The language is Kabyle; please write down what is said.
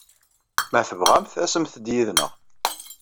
Ma tebɣamt, asemt-d yid-neɣ.